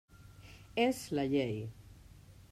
És la llei.